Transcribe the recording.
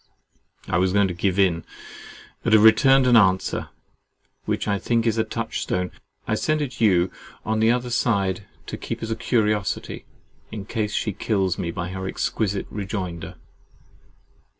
I was going to give in, but have returned an answer, which I think is a touch stone. I send it you on the other side to keep as a curiosity, in case she kills me by her exquisite rejoinder.